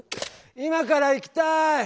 今から行きたい！